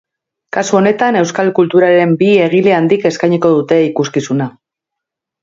Kasu honetan euskal kulturaren bi egile handik eskainiko dute ikuskizuna.